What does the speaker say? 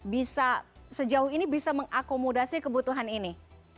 bisa sejauh ini bisa mengakomodasi kebutuhan ini